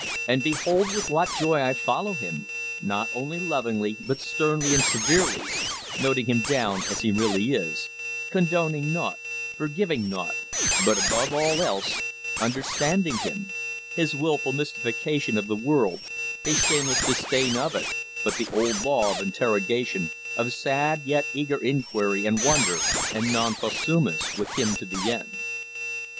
And behold with what joy I follow him, not only lovingly but sternly and severely, noting him down as he really is, condoning naught, forgiving naught, but above all else, understanding him his wilful mystification of the world, his shameless disdain of it, but the old law of interrogation, of sad yet eager inquiry and wonder and 'non possumus' with him to the end."